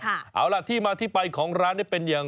มาจากเมืองจีนเนี่ยย้ายมาแล้วก็มาตั้งส่วนทาง